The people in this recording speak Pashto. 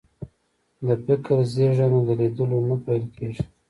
د فکر زېږنده د لیدلو نه پیل کېږي